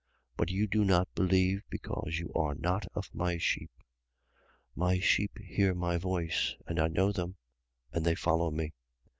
10:26. But you do not believe, because you are not of my sheep. 10:27. My sheep hear my voice. And I know them: and they follow me.